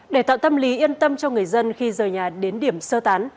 để tạo tâm lý yên tâm cho người dân khi rời nhà đến điểm sơ tán